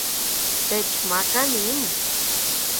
Techmaka nin